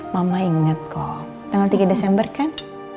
mama inget kok tanggal tiga desember kan